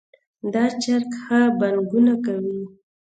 دا چرګ ښه بانګونه کوي